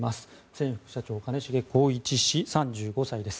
前副社長、兼重宏一氏３５歳です。